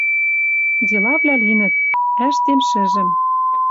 Делавлӓ линӹт. Ӓштем шӹжӹм.